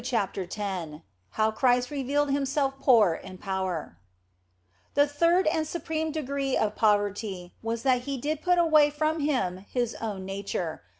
CHAPTER X HOW CHRIST REVEALED HIMSELF POOR IN POWER THE third and supreme degree of poverty was that He did put away from Him His own nature.